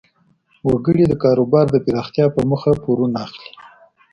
وګړي د کاروبار د پراختیا په موخه پورونه اخلي.